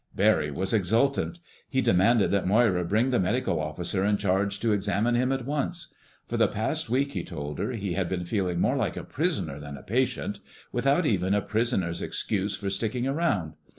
Barry was exultant. He demanded that Moira bring the medical officer in charge to examine him at once. For the past week, he told her, he had been feeling more like a prisoner than a patient—without even a prisoner's excuse for sticking around.